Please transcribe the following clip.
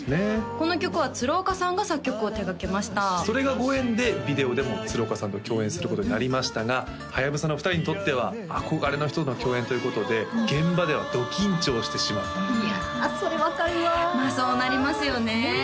この曲は鶴岡さんが作曲を手がけましたそれがご縁でビデオでも鶴岡さんと共演することになりましたがはやぶさの２人にとっては憧れの人との共演ということで現場ではど緊張してしまったといやそれ分かるわまあそうなりますよね